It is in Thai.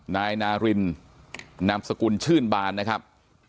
นายนารินนามสกุลชื่นบานนะครับ